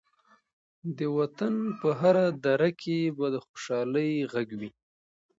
د وطن په هره دره کې به د خوشحالۍ غږ وي.